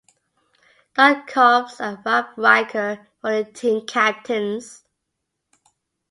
Don Koppes and Ralph Riker were the team captains.